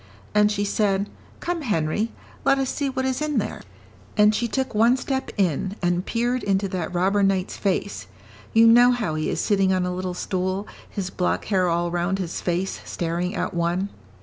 "And she said, 'Come, Henry, let us see what is in there.' And she took one step in, and peered into that robber knight's face; you know how he is sitting on a little stool, his black hair all round his face, staring at one."